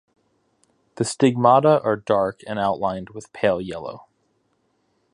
The stigmata are dark and outlined with pale yellow.